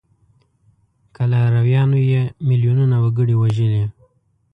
که لارویانو یې میلیونونه وګړي وژلي.